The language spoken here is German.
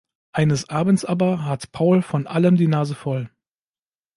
Eines Abends aber hat Paul von allem die Nase voll.